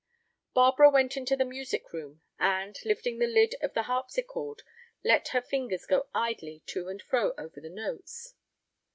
Barbara went into the music room, and, lifting the lid of the harpsichord, let her fingers go idly to and fro over the notes.